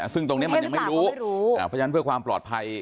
ซึ่งตรงนี้มันยังไม่รู้เพราะฉะนั้นเพื่อความปลอดภัย